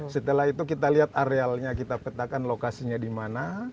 setelah itu kita lihat arealnya kita petakan lokasinya di mana